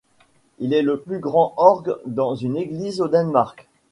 Il est le plus grand orgue dans une église au Danemark.